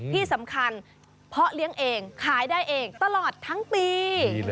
ที่สำคัญเพาะเลี้ยงเองขายได้เองตลอดทั้งปี